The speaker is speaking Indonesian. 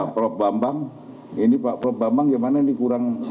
prof bambang ini pak prof bambang gimana ini kurang